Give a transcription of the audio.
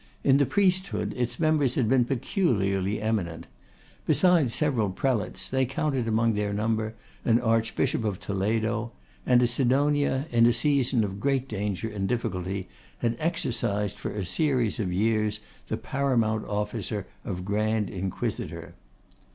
In the priesthood its members had been peculiarly eminent. Besides several prelates, they counted among their number an Archbishop of Toledo; and a Sidonia, in a season of great danger and difficulty, had exercised for a series of years the paramount office of Grand Inquisitor.